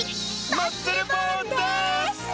マッスルボーンです！